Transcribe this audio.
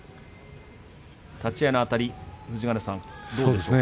立ち合いのあたり、富士ヶ根さんどうでしたか。